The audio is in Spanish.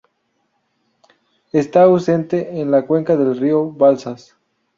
Está ausente en la cuenca del río Balsas.